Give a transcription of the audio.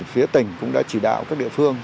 phía tỉnh cũng đã chỉ đạo các địa phương